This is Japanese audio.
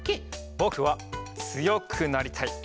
ぼくはつよくなりたい。